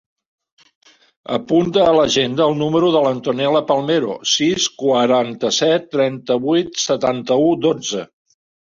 Apunta a l'agenda el número de l'Antonella Palmero: sis, quaranta-set, trenta-vuit, setanta-u, dotze.